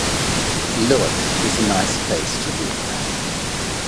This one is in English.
Looc is a nice place to live.